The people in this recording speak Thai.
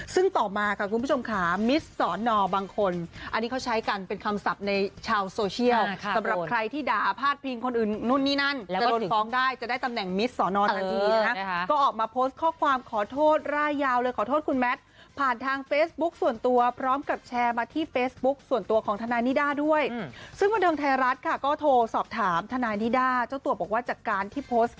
สำหรับใครที่ด่าภาพิงคนอื่นนู้นนี่นั้นแล้วก็ทร้องได้จะได้ตำแหน่งมิสศนทางชิตอีกก็ออกมาโพสต์ข้อความขอโทษร่ายยาวเลยขอโทษคุณแมทฟาดทางเฟซบุ๊คส่วนตัวพร้อมกับแชร์มาที่เฟซบุ๊คส่วนตัวของทนายนิด้าด้วยซึ่งบนทางไทยรัฐค่ะก็โทรสอบถามทนายนิด้าเจ้าตัวบอกว่าจากการท